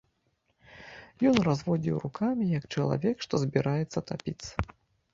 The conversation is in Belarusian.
Ён разводзіў рукамі, як чалавек, што збіраецца тапіцца.